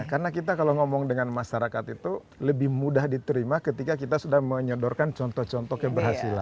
karena kalau ngomong dengan masyarakat itu lebih mudah diterima ketika kita sudah menyedorkan contoh contoh keberhasilan